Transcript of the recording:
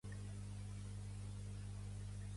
Col·loca-la en un lloc visible del teu comerç